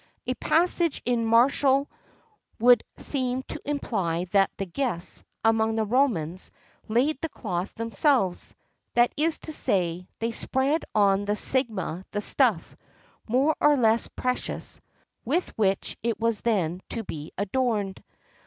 [XXXII 73] A passage in Martial would seem to imply that the guests, among the Romans, laid the cloth themselves;[XXXII 74] that is to say, they spread on the sigma the stuff, more or less precious, with which it was to be adorned.